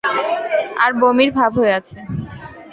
আর বমির ভাব হয়ে আছে।